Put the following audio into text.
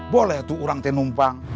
boleh tuh orang itu numpang